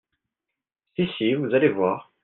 Si, Si, vous allez voir !